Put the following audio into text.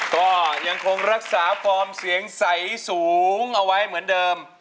คงรักษาความเสียงใสสูงเอาไว้เหมือนเดิม